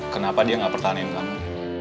kenapa dia nggak pertahanin kamu